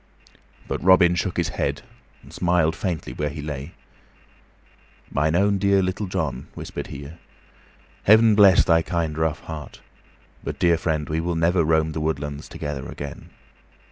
But Robin shook his head and smiled faintly where he lay. "Mine own dear Little John," whispered he, "Heaven bless thy kind, rough heart. But, dear friend, we will never roam the woodlands together again."